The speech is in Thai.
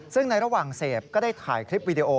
ซึ่งในระหว่างเสพก็ได้ถ่ายคลิปวิดีโอ